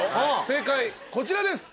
正解こちらです。